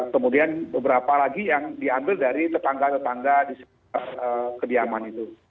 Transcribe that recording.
kemudian beberapa lagi yang diambil dari tetangga tetangga di sekitar kediaman itu